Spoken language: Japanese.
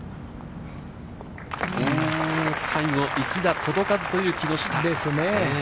最後、１打届かずという木下。